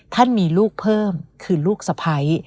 ท่านมีลูกเพิ่มคือลูกสะพ้าย